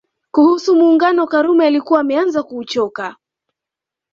Kuhusu Muungano Karume alikuwa ameanza kuuchoka